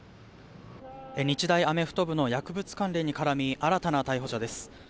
日大アメフト部の薬物関連に絡み新たな逮捕者です。